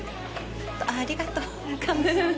ありがとう。